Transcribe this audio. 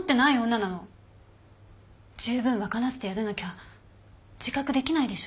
じゅうぶん分からせてやらなきゃ自覚できないでしょ？